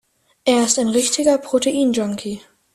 Er ist ein richtiger Protein-Junkie.